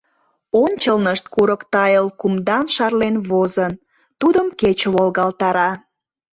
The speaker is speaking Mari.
Ончылнышт курык тайыл кумдан шарлен возын, тудым кече волгалтара.